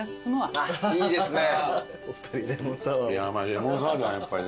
レモンサワーだねやっぱり。